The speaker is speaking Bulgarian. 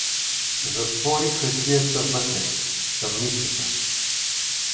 Затвори хаджията вътре (в тъмницата).